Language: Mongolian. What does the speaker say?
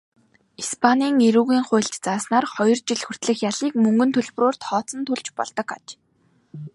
Испанийн эрүүгийн хуульд зааснаар хоёр жил хүртэлх ялыг мөнгөн төлбөрөөр тооцон төлж болдог аж.